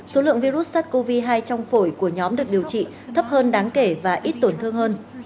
số lượng virus sars cov hai trong phổi của nhóm được điều trị thấp hơn đáng kể và ít tổn thương hơn